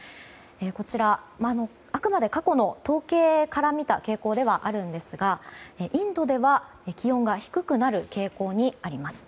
こちら、あくまで過去の統計からみた傾向ではあるんですがインドでは気温が低くなる傾向にあります。